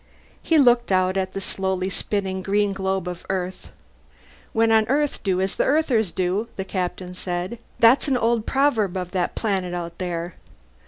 He looked out at the slowly spinning green globe of Earth. "When on Earth, do as the Earthers do," the Captain said. "That's an old proverb of that planet out there.